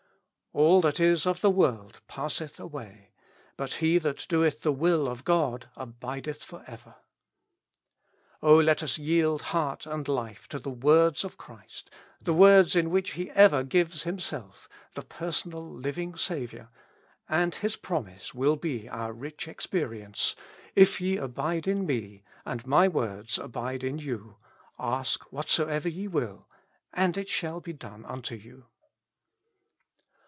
All that is of the world passeth away ; he that doeth the will of God abideth for ever. O let us yield heart and life to the words of Christ, the words in which He ever gives Himself, the per sonal living Saviour, and His promise will be our rich experience :" If ye abide in me, and my words abide in you, ask whatsoever ye will, and it shall be done unto you."